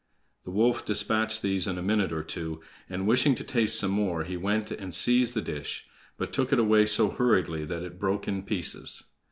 The wolf dispatched these in a minute or two, and, wishing to taste some more, he went and seized the dish, but took it away so hurriedly that it broke in pieces.